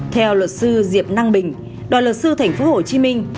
theo luật sư diệp năng bình đoàn luật sư thành phố hồ chí minh